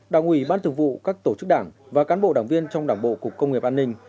đảng ủy ban thực vụ các tổ chức đảng và cán bộ đảng viên trong đảng bộ cục công nghiệp an ninh